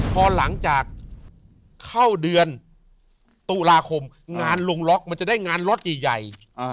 พอหลังจากเข้าเดือนตุลาคมงานลงล็อกมันจะได้งานล็อตใหญ่